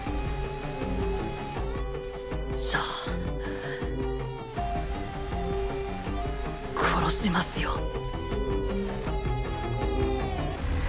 じゃあ殺しますよ